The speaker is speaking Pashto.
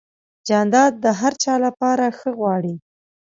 جانداد د هر چا لپاره ښه غواړي.